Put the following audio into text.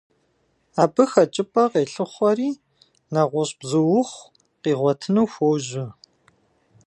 Абы хэкӀыпӀэ къелъыхъуэри нэгъуэщӀ бзуухъу къигъуэтыну хуожьэ.